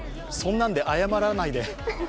そんなんで謝らないで。